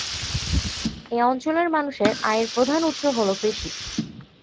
এ অঞ্চলের মানুষের আয়ের প্রধান উৎস হল কৃষি।